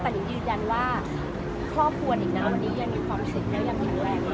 แต่นิงยืนยันว่าครอบครัวหนิงนะวันนี้ยังมีความสุขและยังแข็งแรงอยู่